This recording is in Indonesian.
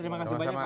terima kasih banyak